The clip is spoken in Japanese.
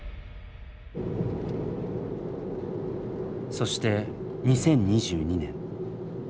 そして２０２２年。